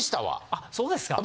あそうですか。